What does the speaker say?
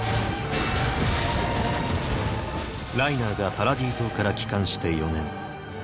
⁉ライナーがパラディ島から帰還して４年。